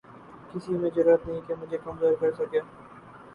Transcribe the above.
کسی میں جرات نہیں کہ مجھے کمزور کر سکے